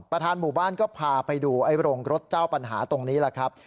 ประธานหมู่บ้านก็พาไปดูไอ้โรงรถเจ้าปัญหาตรงนี้แหละครับ